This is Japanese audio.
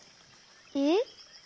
えっ？